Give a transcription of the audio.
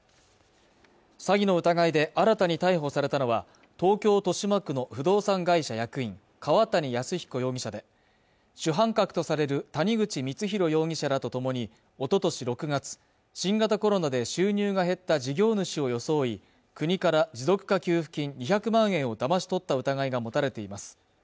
詐欺の疑いで新たに逮捕されたのは東京豊島区の不動産会社役員川谷泰彦容疑者で主犯格とされる谷口光弘容疑者らとともにおととし６月新型コロナで収入が減った事業主を装い国から持続化給付金２００万円をだまし取った疑いが持たれています